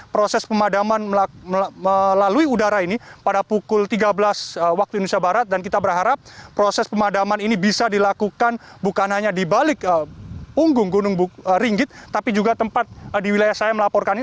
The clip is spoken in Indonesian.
proses pemadaman melalui udara ini pada pukul tiga belas waktu indonesia barat dan kita berharap proses pemadaman ini bisa dilakukan bukan hanya di balik punggung gunung ringgit tapi juga tempat di wilayah saya melaporkan ini